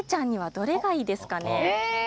どれがいいですかね